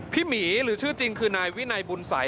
หมีหรือชื่อจริงคือนายวินัยบุญสัย